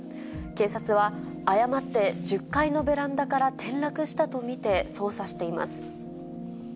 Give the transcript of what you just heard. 警察は誤って１０階のベランダから転落したと見て捜査しています。